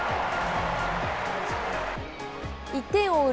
１点を追う